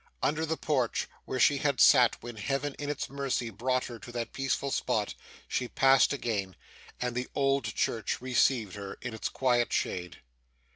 Under the porch, where she had sat when Heaven in its mercy brought her to that peaceful spot, she passed again; and the old church received her in its quiet shade.